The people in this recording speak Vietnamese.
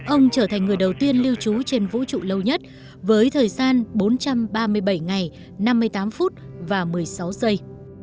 ông trở thành người đầu tiên lưu trú trên vũ trụ lâu nhất với thời gian bốn trăm ba mươi bảy ngày năm mươi tám phút và một mươi sáu giây